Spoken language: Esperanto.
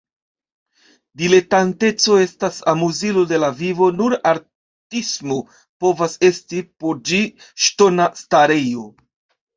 Diletanteco estas amuzilo de la vivo, nur artismo povas esti por ĝi ŝtona starejo.